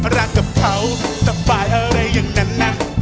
รักกับเขากับฝ่ายอะไรอย่างนั้นนะ